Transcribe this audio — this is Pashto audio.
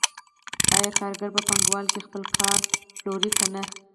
آیا کارګر په پانګوال خپل کار پلوري که نه